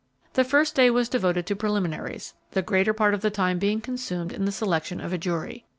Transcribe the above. The first day was devoted to preliminaries, the greater part of the time being consumed in the selection of a jury.